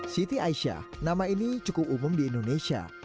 siti aisyah nama ini cukup umum di indonesia